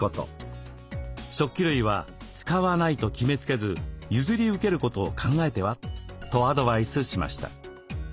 食器類は「使わない」と決めつけず譲り受けることを考えては？とアドバイスしました。